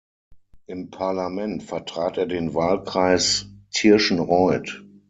Im Parlament vertrat er den Wahlkreis Tirschenreuth.